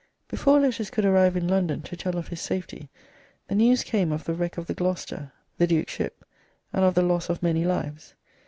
Before letters could arrive in London to tell of his safety, the news came of the wreck of the "Gloucester" (the Duke's ship), and of the loss of many lives.